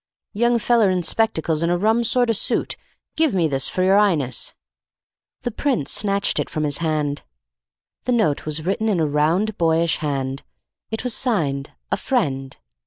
"Young feller in spectacles and a rum sort o' suit give me this for your 'Ighness." The Prince snatched it from his hand. The note was written in a round, boyish hand. It was signed, "A Friend."